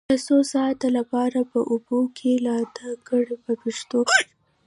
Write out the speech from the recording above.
دا د څو ساعتونو لپاره په اوبو کې لامده کړئ په پښتو ژبه.